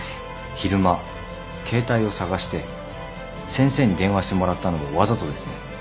昼間携帯を捜して先生に電話してもらったのもわざとですね？